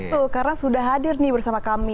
tuh karena sudah hadir nih bersama kami